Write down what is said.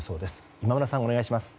今村さん、お願いします。